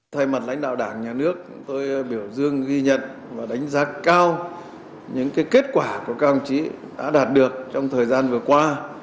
thay mặt lãnh đạo đảng nhà nước tôi biểu dương ghi nhận và đánh giá cao những kết quả của các ông chí đã đạt được trong thời gian vừa qua